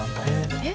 えっ？